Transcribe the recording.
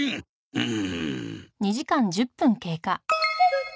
うん？